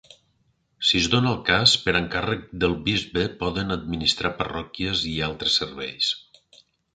Si es dóna el cas, per encàrrec del bisbe poden administrar parròquies i altres serveis.